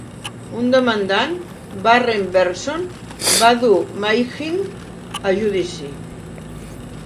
Un demandant, Warren Bergson, va dur Mayhew a judici.